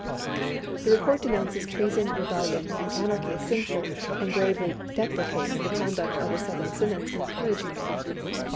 The report denounces treason, rebellion, and an archy as sinful, and gravely deprecates the conduct of the Southern synods in encouraging them.